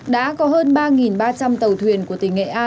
đã có hơn ba ba trăm linh tàu thuyền của tỉnh nghệ an